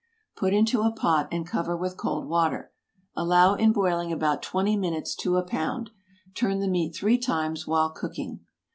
Put into a pot, and cover with cold water. Allow, in boiling, about twenty minutes to a pound. Turn the meat three times while cooking.